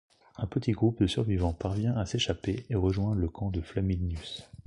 Un petit groupe de survivants parvient à s'échapper et rejoint le camp de Flaminius.